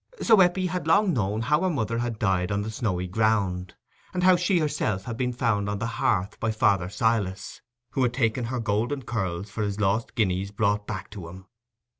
So Eppie had long known how her mother had died on the snowy ground, and how she herself had been found on the hearth by father Silas, who had taken her golden curls for his lost guineas brought back to him.